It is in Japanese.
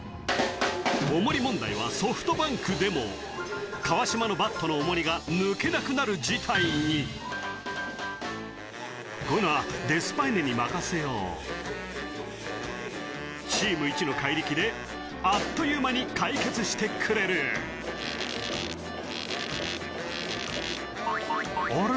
重り問題はソフトバンクでも川島のバットの重りが抜けなくなる事態にこういうのはデスパイネに任せようチームいちの怪力であっという間に解決してくれる「あれ？